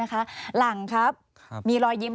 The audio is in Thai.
อันดับ๖๓๕จัดใช้วิจิตร